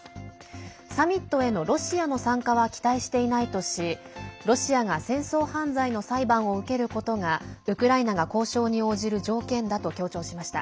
サミットへのロシアの参加は期待していないとしロシアが戦争犯罪の裁判を受けることがウクライナが、交渉に応じる条件だと強調しました。